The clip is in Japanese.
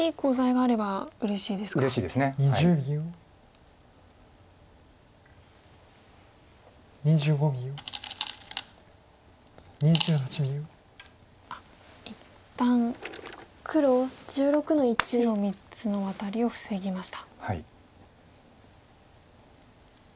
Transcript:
あっ一旦白３つのワタリを防ぎました。